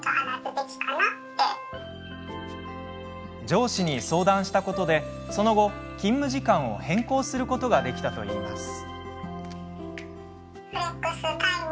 上司に相談したことで、その後勤務時間を変更することができたといいます。